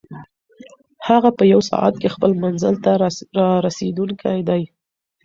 هغه په یوه ساعت کې خپل منزل ته رارسېدونکی دی.